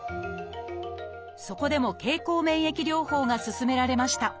そこでも経口免疫療法が勧められました。